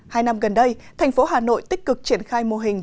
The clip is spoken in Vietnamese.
hai năm gần đây thành phố hà nội tích cực triển khai mô hình